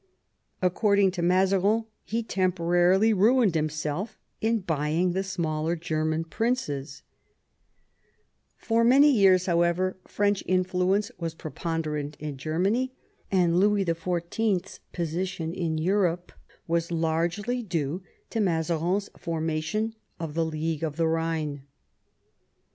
According to Mazarin he temporarily ruined himself in buying the smaller German princes. For many years, however. yiii THE LEAGUE OF THE RHINE 141 French influence was preponderant in Germany, and Louis XIV/s position in Europe was largely due to Mazarin's formation of the League of the Khine.